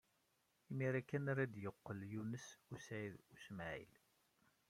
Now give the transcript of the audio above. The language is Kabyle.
Imir-a kan ara d-yeqqel Yunes u Saɛid u Smaɛil.